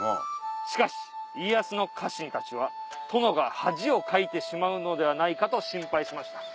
しかし家康の家臣たちは殿が恥をかいてしまうのではないかと心配しました。